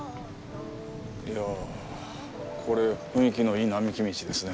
いや、これ雰囲気のいい並木道ですね。